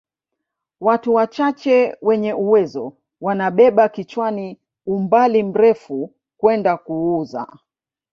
Watu wachache wenye uwezo wanabeba kichwani umbali mrefu kwenda kuuza